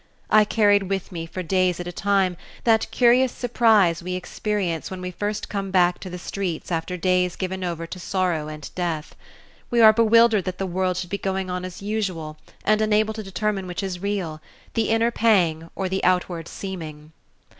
I carried with me for days at a time that curious surprise we experience when we first come back into the streets after days given over to sorrow and death; we are bewildered that the world should be going on as usual and unable to determine which is real, the inner pang or the outward seeming.